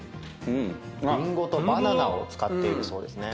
リンゴとバナナを使っているそうですね。